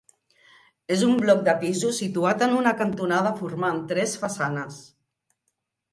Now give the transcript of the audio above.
És un bloc de pisos situat en una cantonada formant tres façanes.